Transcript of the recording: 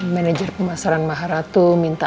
manager pemasaran maharatu minta